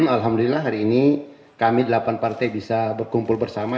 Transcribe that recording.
alhamdulillah hari ini kami delapan partai bisa berkumpul bersama